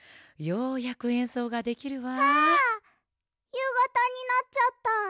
ゆうがたになっちゃった。